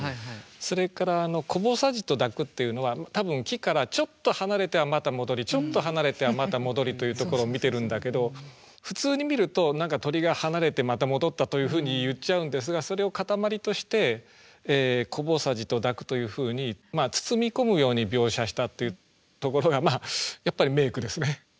それから「こぼさじと抱く」っていうのは多分木からちょっと離れてはまた戻りちょっと離れてはまた戻りというところを見てるんだけど普通に見ると何か鳥が離れてまた戻ったというふうに言っちゃうんですがそれを固まりとして「こぼさじと抱く」というふうに包み込むように描写したっていうところがやっぱり名句ですね。